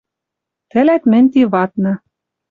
Тӹлӓт мӹнь ти вадны